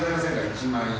１万円。